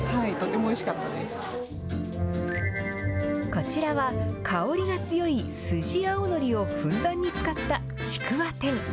こちらは、香りが強いスジアオノリをふんだんに使ったちくわ天。